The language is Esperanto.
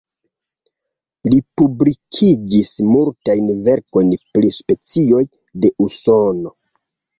Li publikigis multajn verkojn pri specioj de Usono.